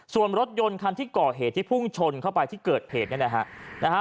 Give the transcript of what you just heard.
ส่วนรถยนต์คันที่ก่อเหตุที่พุ่งชนเข้าไปที่เกิดเหตุเนี่ยนะฮะ